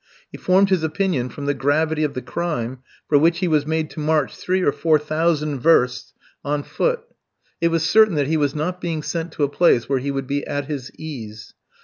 He formed his opinion from the gravity of the crime for which he was made to march three or four thousand versts on foot. It was certain that he was not being sent to a place where he would be at his ease.